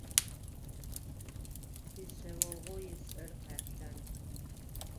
Сишъэогъу ыцӏэр Къэплъан.